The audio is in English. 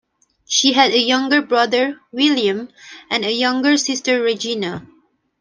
She had a younger brother, William, and a younger sister, Regina.